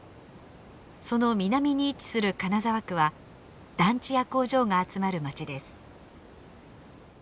その南に位置する金沢区は団地や工場が集まる街です。